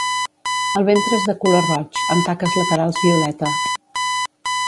El ventre és de color roig, amb taques laterals violeta.